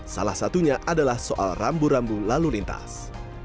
salah satunya adalah soal rambu rambu lalu lintas